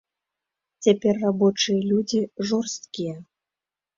Цяпер рабочыя людзі жорсткія.